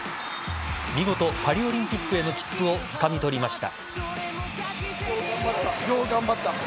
見事パリオリンピックへの切符をつかみ取りました。